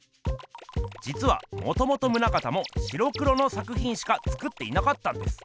じつはもともと棟方も白黒の作ひんしか作っていなかったんです。